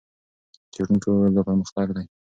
څېړونکو وویل، دا پرمختګ دی.